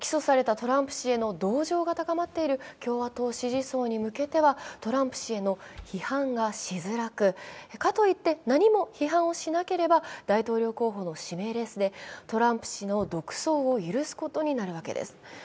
起訴されたトランプ氏への同情が高まっている共和党支持者内ではトランプ氏への批判がしづらく、かといって何も批判をしなければ大統領候補の指名レースでトランプ氏の独走を許すことになるわけです。